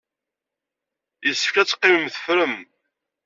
Yessefk ad teqqimem teffrem.